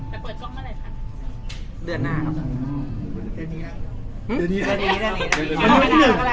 แต่เปิดกล้องเมื่อไหร่ครับ